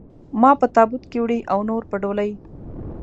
ما په تابوت کې وړي او نور په ډولۍ.